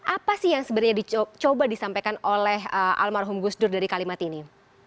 apa sih yang sebenarnya dicoba disampaikan oleh almarhum gus dur dari kalimat ini